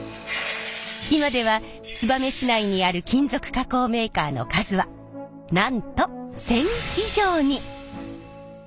今では燕市内にある金属加工メーカーの数はなんと１，０００以上に！